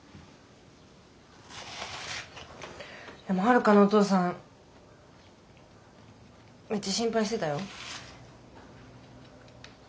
でもはるかのお父さんめっちゃ心配してたよ。